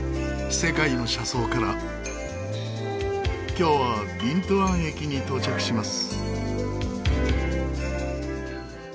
今日はビントゥアン駅に到着します。